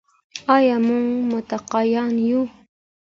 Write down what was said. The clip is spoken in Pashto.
آیا موږ متقیان یو؟